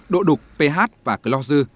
độ đục ph và clor dư